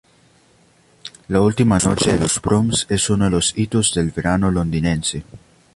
La última noche de los Proms es uno de los hitos del verano londinense.